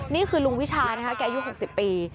นี่คือลุงวิชานะคะแกอยู่หกสิบปี